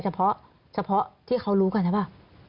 เฉพาะที่เขารู้กันใช่ป่าว